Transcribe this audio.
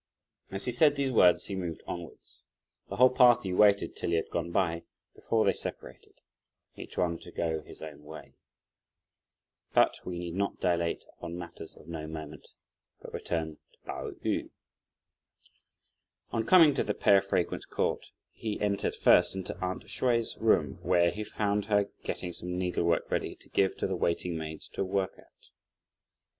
As he said these words, he moved onwards. The whole party waited till he had gone by, before they separated, each one to go his own way. But we need not dilate upon matters of no moment, but return to Pao yü. On coming to the Pear Fragrance Court, he entered, first, into "aunt" Hsüeh's room, where he found her getting some needlework ready to give to the waiting maids to work at.